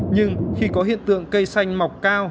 nhưng khi có hiện tượng cây xanh mọc cao